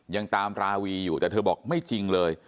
ยังตามราวีอยู่แต่เธอบอกไม่จริงเลย